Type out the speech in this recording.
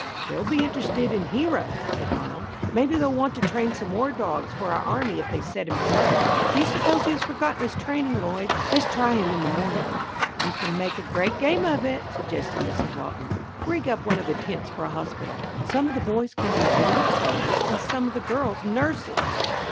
"They'll be interested in Hero," said Ranald. "Maybe they'll want to train some war dogs for our army if they set him at work. Do you suppose he has forgotten his training, Lloyd? Let's try him in the morning." "You can make a great game of it," suggested Mrs. Walton. "Rig up one of the tents for a hospital. Some of the boys can be wounded soldiers and some of the girls nurses."